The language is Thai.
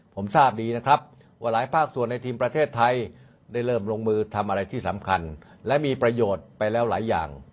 ผมทราบดีนะครับว่าหลายภาคส่วนในทีมประเทศไทยได้เริ่มลงมือทำอะไรที่สำคัญและมีประโยชน์ไปแล้วหลายอย่าง